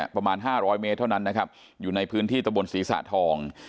ประมาณ๕๐๐เมตรเท่านั้นนะครับอยู่ในพื้นที่ตะบนศรีสะทอง